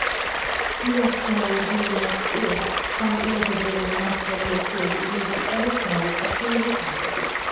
იოს გეოლოგიური აქტივობა განპირობებულია მასზე მოქმედი იუპიტერის გრავიტაციული ძალებით.